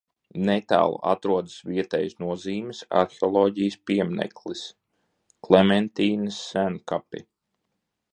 Netālu atrodas vietējas nozīmes arheoloģijas piemineklis – Klementīnes senkapi.